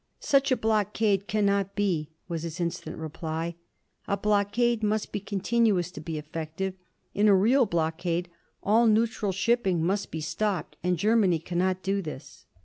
"Such a blockade cannot be," was his instant reply; "a blockade must be continuous to be effective. In a real blockade all neutral shipping must be stopped, and Germany cannot do this."